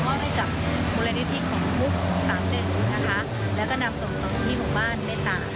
ก็มอบให้กับมูลนิธิของมุฒิสามเด่นและนำส่งต่อที่บ้านเมตตา